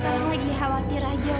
sekarang lagi khawatir aja oma